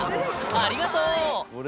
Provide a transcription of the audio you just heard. ありがとう。